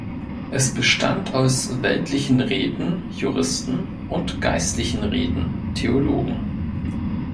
Es bestand aus weltlichen Räten (Juristen) und geistlichen Räten (Theologen).